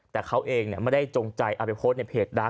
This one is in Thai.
แต่เขาเองไม่ได้จงใจเอาไปโพสต์ในเพจดัง